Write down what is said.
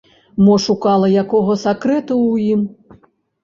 Мо шукала якога сакрэту ў ім?